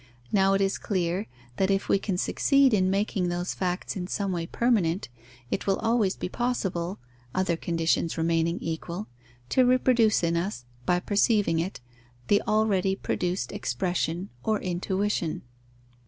Now it is clear, that if we can succeed in making those facts in some way permanent, it will always be possible (other conditions remaining equal) to reproduce in us, by perceiving it, the already produced expression or intuition.